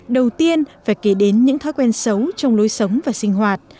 đầu tiên phải kể đến những thói quen xấu trong lối sống và sinh hoạt